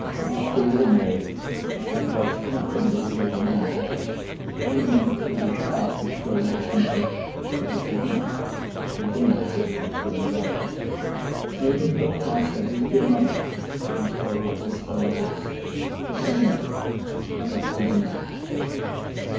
For after all, Mary, I have lost nothing that ever was mine—only my foolish heart has grown to something that it should not, and bleeds at being torn away. Nobody but Christ and His dear mother can tell what this sorrow is; but they know, and that is enough.